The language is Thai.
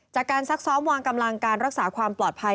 ซักซ้อมวางกำลังการรักษาความปลอดภัย